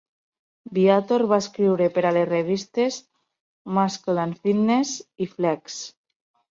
Viator va escriure per a les revistes "Muscle and Fitness" i "Flex".